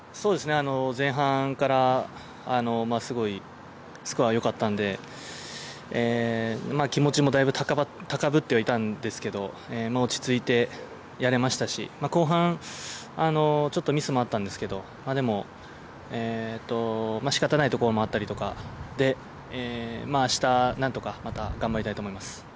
前半からすごいスコア良かったんで気持ちもだいぶ高ぶってはいたんですけど落ち着いてやれましたし、後半ちょっとミスもあったんですけど仕方ないところもあったりとかで、明日なんとか頑張りたいと思います。